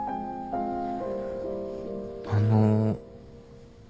あの。